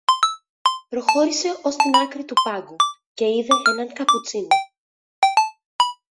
Προχώρησε ως την άκρη του πάγκου και είδε έναν καπουτσίνο